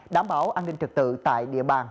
đảm bảo an ninh trực tự tại địa bàn